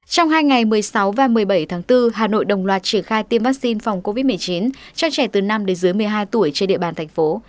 trong hai ngày một mươi sáu và một mươi bảy tháng bốn hà nội đồng loạt triển khai tiêm vaccine phòng covid một mươi chín cho trẻ từ năm đến dưới một mươi hai tuổi trên địa bàn thành phố